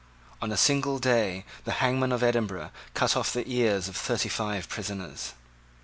On a single day the hangman of Edinburgh cut off the ears of thirty five prisoners.